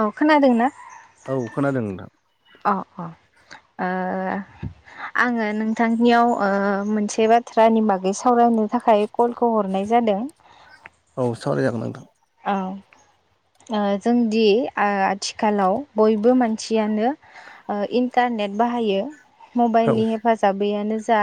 औ खोनादों ना? औ खोनादों नोंथां [inaudible] अ अ ओ आङो नोंथांनियाव ओ मोनसे बाथ्रानि बागै सावरायनो थाखाय कलखौ हरनाय जा जादों औ सावराय जागोन नोंथां औ। ओ जोंदि ओ आथिखालाव बयबो मानसियानो ओ इन्टा नेट बाहायो औ मबाइनि हेफाजाबैयानो ज जा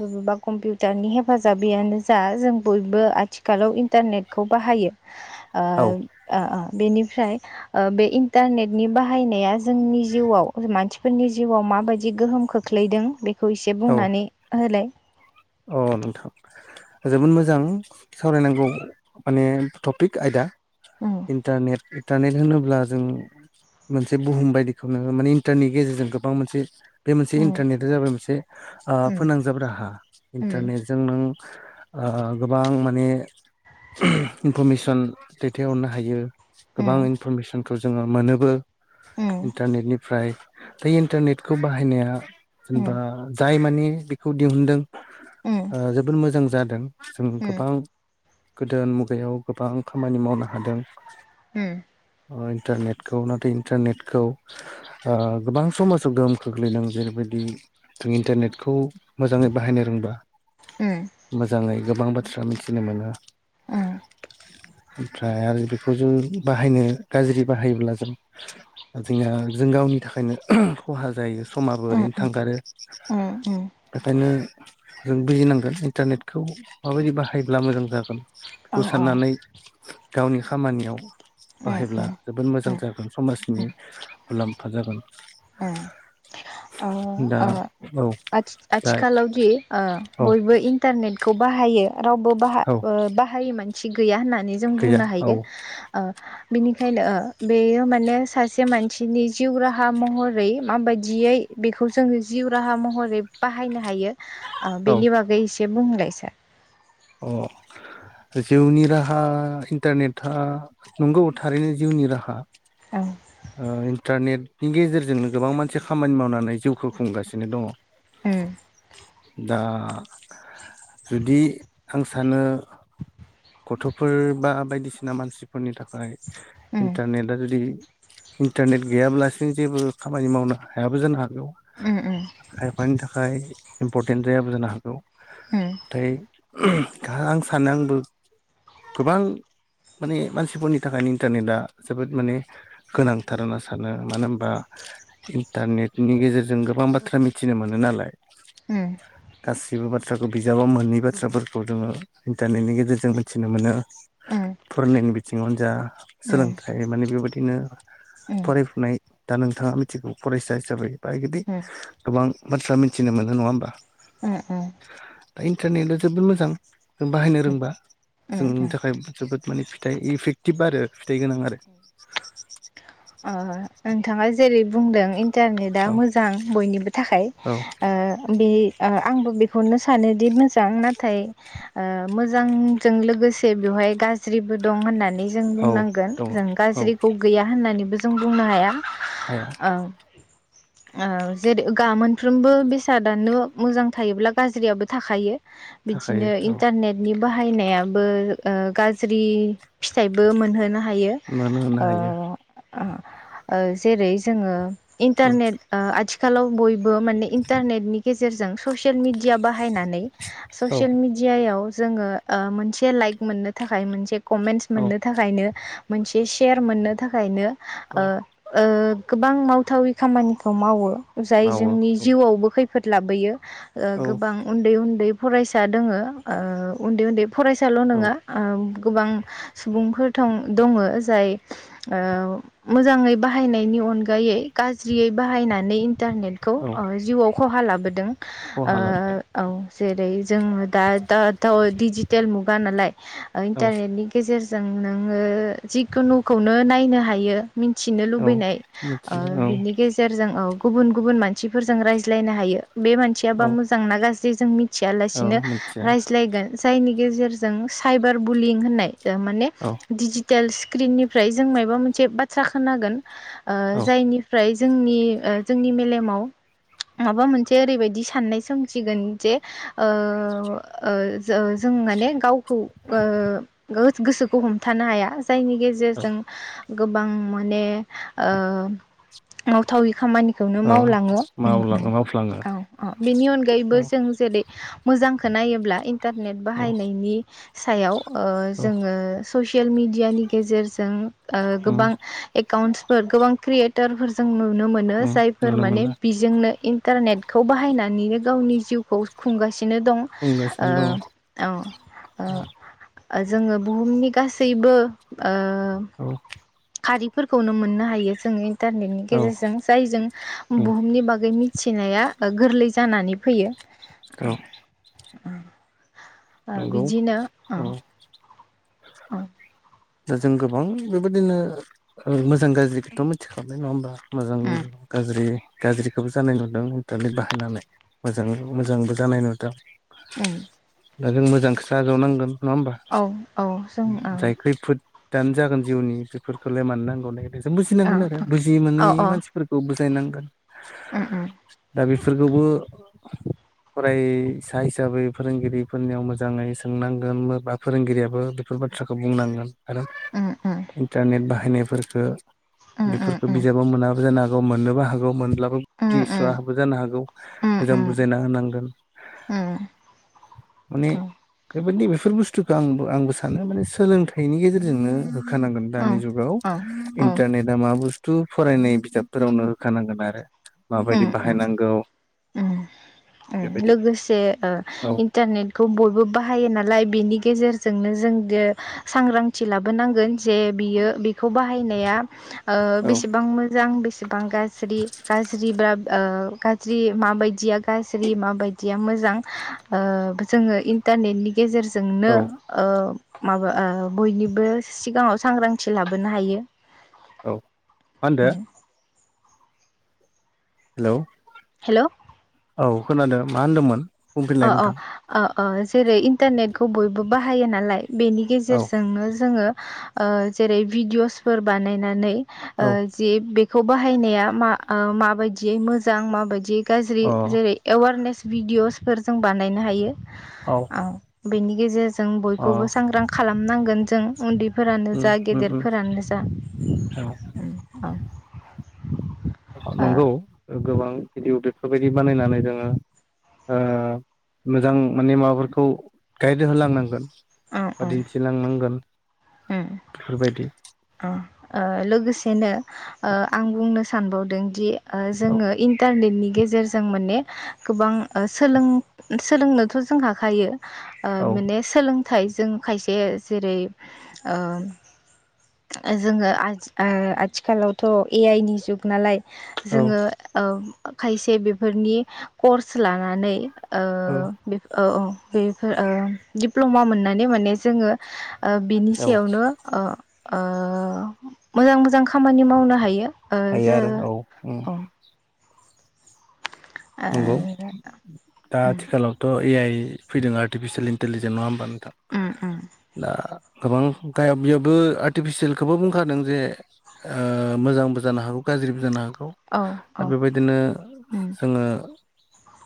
बबेबा कम्पिउटारनि हेफाजाबैयानो जा जों बयबो आथिखालाव इन्टारनेट खौ बाहायो ओ औ ओ ओ बेनिफ्राय ओ बे इन्टारनेटनि बाहायनाया जोंनि जिउआव मानसिफोरनि जिउआव मा माबायदि गोहोम खोख्लैदों बेखौ एसे औ बुंनानै होलाय। अ नोंथां जोबोद मोजां सावरायनांगौ माने टपिक आयदा उम इन्टारनेट - - इन्टारनेट होनोब्ला जों मोनसे बुहुम बायदिखौनो माने इन्टारनि गेजेरजों गोबां मोनसे बे मोनसे उम इन्टारनेटा जाबाय मोनसे ओ फोनांजाब राहा। उम इन्टारनेटजों नों ओ गोबां माने इनफरमेसन दैथायहरनो हायो उम गोबां इनफरमेसनखौ जोङो मोनोबो उम इन्टारनेटनिफ्राय बे इन्टारनेटखौ बाहायनाया उम जेनबा जाय माने बेखौ दिहुनदों उम ओ जोबोद मोजां जादों जों उम गोबां गोदान मुगायाव गोबां खामानि मावनो हादों। उम। ओ इन्टारनेटखौ नाथाय इन्टारनेटखौ ओ गोबां समाजाव गोहोम खोख्लैदों जेरैबायद दि जों इन्टारनेटखौ मोजाङै बाहायनो रोंबा मोजाङै गोबां बाथ्रा मिथिनो मोनो [inaudible] ओमफ्राय आरो बेखौ जों बाहायनो गाज्रि बाहायोब्ला जों जोंहा जों गावनि नि थाखायनो खहा जायो समाबो उम ओरैनो थांगारो उम उम उम [inaudible] बेखायनो जों बुजिनांगोन इन्टारनेटखौ माबायदि बाहायब्ला मोजां जागोन औ बेखौ औ साननानै गावनि खामानियाव उम बाहायब्ला उम जोबोद मोजां उम जागोन समाज नि उम मुलाम्फा जागोन [inaudible] दा औ दा आ-आथिखालावदि ओ औ बयबो इन्टारनेटखौ बाहायो रावबो बाहा औ बाहायै मानसि गैया होननानै जों गैया बुंनो औ हायो ओ बिनिखायनो ओ बेयो माने सासे मानसिनि जिउ राहा महरै माबायदियै बेखौ जोङो जिउ राहा मह महरै बाहायनो हायो औ बेनि बागै एसे बुंलाय सार अह जिउनि राहा इन्टारनेटआ नंगौ थारैनो जिउनि राहा औ ओ इन्टारनेटनि गेजेरजोंनो गोबां मानसि खामानि मावनानै जिउखौ खुंगासिनो दङ। हम दा जुदि आं सानो गथ'फोर बा बायदिसिना मानसिफोरनि थाखाय उम इन्टारनेटआ जुदि इन्टारनेट गैयाब्लासिनो जेबो खामानि मावनो हायाबो जानो हागौ। उम उम खायफानि थाखाय इम्परटेन्ट जायाबो जानो हागौ उम नाथाय आं सानो आंबो गोबां माने मानसिफोरनि थाखायनो इन्टारनेटआ जोबोद माने गोनांथार होनना सानो मानो होनबा इन्टारनेटनि गेजेरजों गोबां बाथ्रा मिथिनो मोनो नालाय उम गासिबो बाथ्राखौ बिजाबाव मोनै बाथ्राफोरखौ जोङो इन्टारनेटनि गेजेरजों जों मिथिनो मोनो उम फरायनायनि बिथिङावनो जा उम सोलोंथाइ माने बेबायदि बिदिनो उम उम फरायफुनाय दा नोंथाङा मिथिगौ फरायसा हिसाबै बा बिदि गोबां बाथ्रा मिथिनो मो नो नङा होमबा उम उम दा इन्टारनेटआ जोबोद मोजां जों बाहायनो उम रोंबा उम जोंनि उम थाखाय जोबोद माने फिथाइ इफेक्टिभ आरो फिथाइ गोनां आरो ओ नोंथाङा जेरै बुंदों इन इन्टारनेटा औ मोजां बयनिबो थाखाय औ ओ बे ओ आंबो बेखौनो सा नोदि मोजां नाथाय ओ मोजांजों लोगोसे बेवहाय गाज्रिबो दं होननानै नै जों औ बुंनांगोन दङ जों औ गाज्रिखौ गैया होननानैबो जों बुंनो हाया। हाया औ जेरै ग मोनफ्रोमबो बेसादानो मोजां थायोब्ला गाज्रियाबो थाखायो। थाखायो बिदिनो औ इन्टारनेटनि बाहायनायाबो ओ गाज्रि फिथाइबो मोनहोनो हायो मानो होनो हायो ओ जेरै जोङो इन्टारनेट ओ आथिखालाव बय बो माने इन्टारनेटनि गेजेरजों ससियेल मिडिया बाहायनानै ससियेल औ मिडियायाव जोङो ओ मोनसे लाइक मोननो थाखाय मोनसे कमेन्टस औ मोननो थाखायनो मोनसे सेयार मोननो थाखायनो औ ओ ओ गोबां मावथावि खामानिखौ मावो जाय मावो जोंनि औ जिउआवबो खैफोद लाबोयो। ओ औ गोबां उन्दै उन्दै फरायसा दङो ओ उन्दै उन्दै फरायसाल' औ नङा ओम गोबां सुबुंफोर थं-दङ जाय ओ मोजाङै बाहायनायनि अनगायै गाज्रियै बाहायनानै इन्टारनेटखौ औ ओ जिउआव खहा लाबोदों। ओ खहा लाबोदों औ जेरै जोङो दा दाथ डिजिटेल मुगा नालाय औ इन्टारनेटनि गेजेरजों जों नोङो जिखुनुखौनो नायनो हायो मिनथि नो औ लुबैनाय ओ मिथिदों बिनि गेजेरजों गुबुन गुबुन मानसिफोरजों रायज्लायनो हायो। बे औ मानसियाबा मोजांना गाज्रि जों मिथिया औ लासिनो मिथिया रायज्लायगोन जायनि गेजेरजों सायबार बुलिं होननाय माने औ डिजिटेल स्क्रिननिफ्राय जों मबा मोनसे बाथ्रा खोनागोन ओ औ जायनिफ्राय जोंनि ओ जोंनि मेलेमाव माबा मोनसे ओरैबायदि साननाय सोमजिगोन जे ओ ओ जो-जो माने गाव खौ ओ गोसोखौ हमथानो हाया जायनि औ गेजेरजों गोबां माने ओ मावथावै खामानि खौनो औ मावलाङो मावला मावफ्लाङो औ औ बेनि अनगायैबो औ जों जेरै मोजांखो नायोब्ला इन्टारनेट औ बाहायनायनि सायाव ओ औ जोङो ससियेल मिडियानि गेजेरजों ओ उम गोबां एकाउन्टसफोर गोबां क्रियेटारफोरजों नुनो मोनो उम जायफोर नुनो माने मोनला बिजोंनो इन्टारनेटखौ बाहायनानैनो गावनि जिउखौ खुंगासि बिदिनो दं बुंगासिनो दङ ओ औ ओ जोङो बुहुमनि गासैबो ओ औ खारिफोरखौनो मोननो हायो जोङो इन्टारनेटनि औ गेजेरजों जायजों औ बुहुमनि बागै मिथिनाया गोरलै जानानै फैयो औ ओ नंगौ बिदिनो ओ औ ओ। दा जों गोबां बेबायदिनो मोजां गाज्रिखौथ मिथिखाबाय नङा होमबा? मोजां उम गाज्रि गाज्रिखौबो जानाय नुदों इन्टारनेट बाहायनानै मोजां मोजांबो जानाय नुदों उम। दा जों मोजांखोसो आजावनांगोन नङा होमबा औ औ जों औ जाय खैफोद दानो जागोन जिउनि बेफोरखौलाय मानो नांगौ होन्नाय बायदि जों बुजिनांगोन आरो बुजि ओ अ मोनै अ मानसिफोरखौ बुजाय नांगोन उम उम। बिफोरखौबो फराय सा हिसाबै फोरोंगिरि फोरनियाव मोजाङै सोंनांगोन बा फोरोंगिरियाबो बेफोर बाथ्राखौ बुंनांगोन आरो उम उम इन्टारनेट बाहायनायफोरफोरखो उम उम बेफोरफोरखो उम बिजाबाव मोनाबो जानो हागौ मोननोबो हागौ मोन ब्लाबो उम उम बिदिस्राबो जानो हागौ उम मोजां उम बुजायना होनांगोन उम। माने औ बेबायदि बेफोर बुस्थुखौ आंबो आंबो सानो माने सोलोंथाइनि गेजेरजोंनो होनांगोन औ दानि जुगाव औ औ इन्टारनेटा मा बुस्थु फरायनाय बिजाबफोरावनो होखानांगोन आरो माबायदि उम उम बाहायनांगौ उम उम बेबायदि लोगोसे ओ औ इन्टारनेटखौ बय बो बाहायो नालाय बेनि गेजेरजोंनो जों सांग्रांथि लाबोनांगोन जे बियो बेखौ बाहायनाया ओ औ बेसेबां मोजां बेसेबां गाज्रि गाज्रिब्ला ओ गाज्रि माबायदिया गा ज्रि माबायदिया मोजां ओ जोङो इन्टारनेटनि गेजेरजोंनो औ ओ माबा ओ बयनिबो सिगाङाव सांग्रांथि लाबोनो हायो। औ मा होनदों? हेलौ' हेल' औ खोनादों मा होनदोंमोन? बुंफिनलाय अ अ नोंथां अ अ जेरै इन्टारनेटखौ बयबो बाहायो नालाय बेनि औ गेजेरजोंनो जोङो ओ जेरै भिडिअ'सफोर बानायनानै ओ औ जि बेखौ बाहायनाया मा ओ माबायदियै मोजां माबायदियै गाज्रि अ जेरै एवारनेस भिडिअ'सफोर जों बानायनो हायो औ बेनि गेजेरजों अ बयखौबो सांग्रां खालामनांगोन जों उन्दै फोरानो उम जा उम उम गेदेरफोरानो जा औ। ओ नंगौ गोबां भिडिअ बेफोरबायदि बानायनानै जोङो ओ मोजां माने माबाफोरखौ गाइड होलांनांगोन। उम बा उम दिन्थिलांनांगोन उम बेफोरबायदि ओ लोगोसेनो ओ आं बुंनो सानबावदों दि ओ औ जोङो इन्टारनेटनि गेजेरजों माने गोबां ओ सोलों सोलोंनोथ' जों हाखायो। ओ औ माने सोलोंथाइ जों खायसे जेरै ओ ओ जोङो आथि आथिखालावथ' ए आइ नि जुग नालाय। औ जोङो ओ खायसे बेफोरनि कर्स लानानै ओ बे औ औ बेफोर ओ दिप्ल'मा मोननानै माने जोङो ओ बिनि औ सायावनो ओ ओ मोजां मोजां खामानि मावनो हायो। ओ हायो जो आरो औ उम अ नंगौ दा उम आथिखालावथ' ए आइ फैदों आर्टिफिसियेल इन्टेलिजेन नङा होमबा? उम उम दा गोबां गाया बिबो आर्टिफिसियेलखौबो बुंखादों जे ओ मोजांबो जानो हागौ गाज्रिबो जानो हागौ औ दा औ बेबायदिनो उम जोङो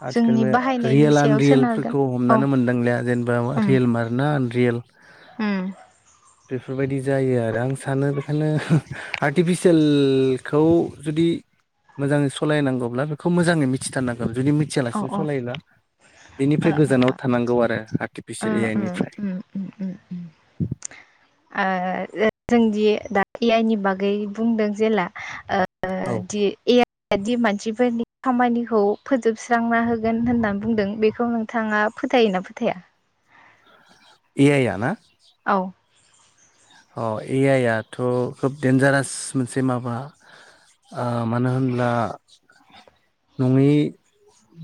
आथिखाल जोंनि बे बाहायनायनि रियेल सायाव सोनारगोन आनरियेलफोरखौ औ हमनानै मोनदांलिया जेनेबा रियेल मारना आन रियेल ओम। बेफोरबायदि जायो आरो आं सानो बेखायनो आर्टिफिसियेलखौ जुदि मोजाङै सलायनांगौब्ला बेखौ मोजाङै मिथिथारनांगौ जुदि औ मिथियालासिनो औ सलायोब्ला ओ बेनिफ्राय गोजानाव ओ थानांगौ आरो आर्टिफिसियेल ए आइ निफ्राय। आ जोंदि दा ए आइ नि बागै बुंदों जेला ओ औ दि ए आइ दि मानसिफोरनि खामानिखौ फोजोब सुस्रांना होगोन होननानै बुंदों बेखौ नोंथाङा फोथायोना फोथाया? ए आइ या ना? औ। अ ए आइआथ' खोब दडेनजारास मोनसे माबा ओ मानो होनब्ला नङि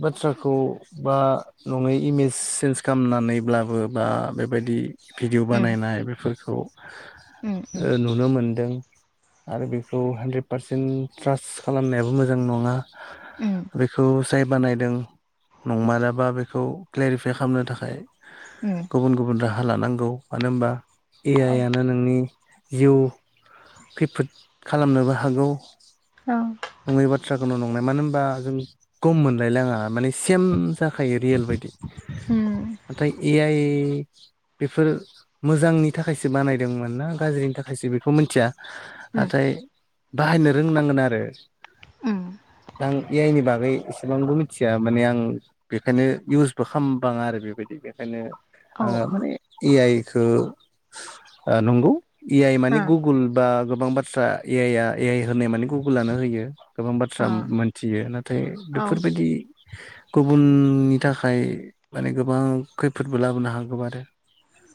बाथ्राखौ बा नङै इमेज सेन्स खालामनानैब्लाबो बा बेबायदि भिडिअ' उम बानायनाय बेफोरखौ ओ उम उम नुनो मोनदों। आरो बेखौ हानद्रेद पारसेन्ट ट्रास खालामनायाबो मोजां नङा। उम बेखौ जाय बानायदों नंमाराबा बेखौ क्लेरिफाइ खालामनो थाखाय उम गुबुन गुबुन राहा लानांगौ मानो होनबा ए औ आइ आ नि जिउ खैफोद खालामनोबो हागौ। औ। नङै बाथ्राखौनो नंनाय मानो होनबा जों गम मोनलायलाङा माने सेम जाखायो रियेल बायदि उम नाथाय ए आइ बेफोर मोजांनि थाखायसो बानायदोंमोन ना गाज्रिनि थाखायसो बेखौ मिनथिया। उम नाथाय बाहायनो रोंनांगोन आरो। उम। आं ए आइनि बागै एसेबांबो मिथिया माने आं बेखायनो इउसबो खामबाङा आरो। बेबायदि बेखायनो औ आङो औ माने ए आइखौ ओ नंगौ ए आइ मानि ओ गुगोल बा गोबां बाथ्रा ए आइ आ ए आइ होनाय माने गुगोलानो होयो। गोबां बाथ्रा मोनथियो नाथाय ओ औ बेफोरबायदि गुबुननि थाखाय माने गोबां खैफोदबो लाबोनो हागौ आरो।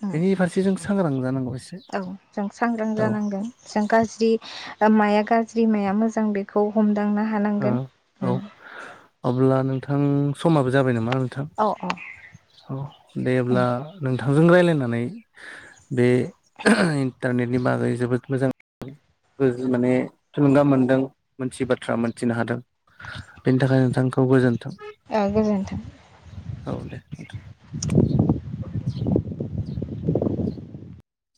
उम बेनि फारसे जों सांग्रां जानांगौ। एसे औ जों सांग्रां औ जानांगोन जों गाज्रि माया गाज्रि माया मोजां बेखौ हमदांनो हानांगोन औ उम। अब्ला नोंथां समाबो जाबाय नामा नोंथां औ औ औ दे उम अब्ला नों बिथांजों रायज्लायनानै बे इन्टारनेटनि बागै जोबोद मोजां [unintelligible] माने थुलुंगा मोनदों मोनसे बाथ्रा मोन थिनो हादों बेनि थाखाय नोंथांखौ गोजोन्थों औ गोजोन्थों। औ दे नोंथां। [unintelligible] [unintelligible]